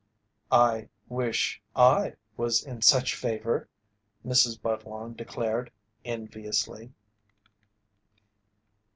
"I wish I was in such favour," Mrs. Budlong declared, enviously.